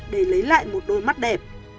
để lấy lại một đôi mắt đẹp